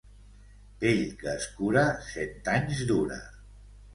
Vell que es cura, cent anys dura.